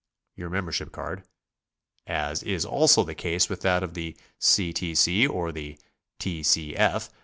Your membership card (as is also the case with that of the C. T. C. or the T. C. F.)